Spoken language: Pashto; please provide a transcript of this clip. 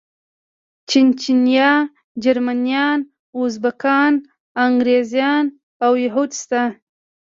چيچنيايان، جرمنيان، ازبکان، انګريزان او يهود شته.